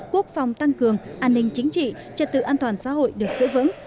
quốc phòng tăng cường an ninh chính trị trật tự an toàn xã hội được giữ vững